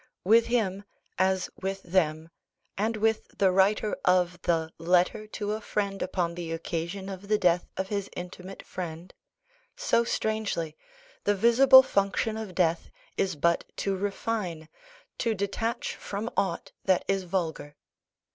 With him, as with them, and with the writer of the Letter to a Friend upon the occasion of the death of his intimate Friend, so strangely! the visible function of death is but to refine, to detach from aught that is vulgar.